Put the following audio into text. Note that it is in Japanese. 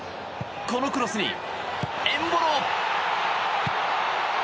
このクロスにエンボロ。